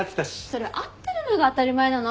それは合ってるのが当たり前なの。